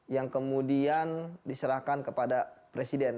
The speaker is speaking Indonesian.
yang kemudian diserahkan kepada presiden